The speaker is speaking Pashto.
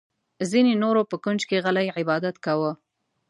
ځینې نورو په کونج کې غلی عبادت کاوه.